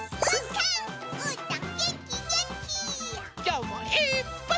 きょうもいっぱい。